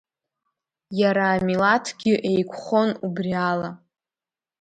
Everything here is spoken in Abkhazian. Иара амилаҭгьы еиқәхон убри ала.